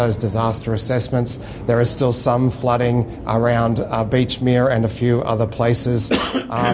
ses telah mendapat tiga ratus panggilan bantuan